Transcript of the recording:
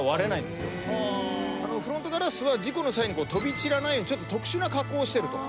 フロントガラスは事故の際に飛び散らないようちょっと特殊な加工をしてると。